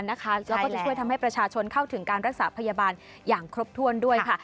แล้วก็จะช่วยทำให้ประชาชนเข้าถึงการรักษาพยาบาลอย่างครบถ้วนด้วยค่ะ